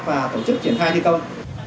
và tổ chức triển khai thi công